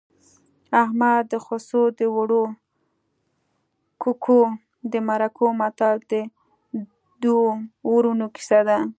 احمد د خسو د اوړو ککو د مرکو متل د دوو ورونو کیسه ده